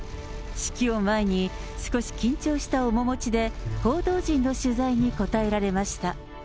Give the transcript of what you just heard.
式を前に、少し緊張した面持ちで、報道陣の取材に答えられました。